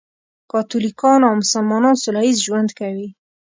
کاتولیکان او مسلمانان سولهییز ژوند کوي.